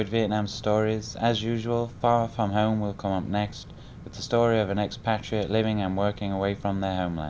và làm việc ở xa tổ quốc